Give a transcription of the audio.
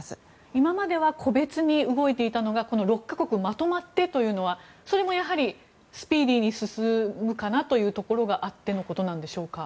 今までは個別に動いていたのが６か国まとまってというのはそれもやはりスピーディーに進むかなというところがあってのことなんでしょうか。